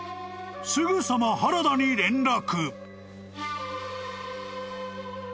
［すぐさま原田に連絡］